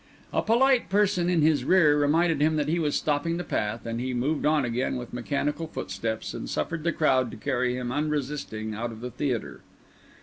A polite person in his rear reminded him that he was stopping the path; and he moved on again with mechanical footsteps, and suffered the crowd to carry him unresisting out of the theatre.